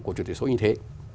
của chủ tế số như thế